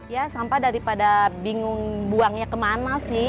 ya sampah daripada bingung buangnya kemana sih